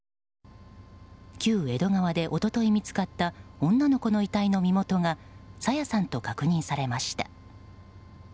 旧江戸川で一昨日、見つかった女の子の遺体の身元が朝芽さんと確認されました。